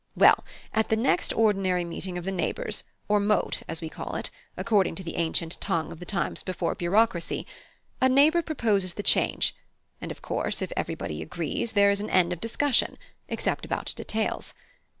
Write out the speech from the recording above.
Well, at the next ordinary meeting of the neighbours, or Mote, as we call it, according to the ancient tongue of the times before bureaucracy, a neighbour proposes the change, and of course, if everybody agrees, there is an end of discussion, except about details.